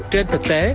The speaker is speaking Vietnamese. trên thực tế